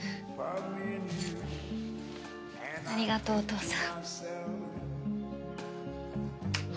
ありがとうお父さん。